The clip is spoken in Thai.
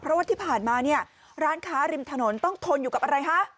เพราะว่าที่ผ่านมาเนี่ยร้านค้าริมถนนต้องทนอยู่กับอะไรฮะ